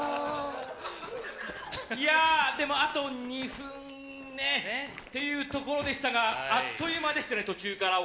あと２分というところでしたがあっという間でしたね途中から。